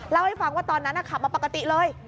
เล่าให้ฟังว่าตอนนั้นขับมาปกติเลย